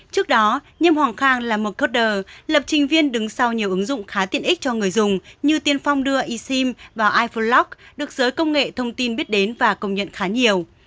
trước đó nhâm hoàng khang là một coder lập trình viên đứng sau nhiều ứng dụng khá tiện ích cho người dùng như tiên phong đưa esim vào ivlog được giới công nghệ thông tin biết đến và công nhận khá nhiều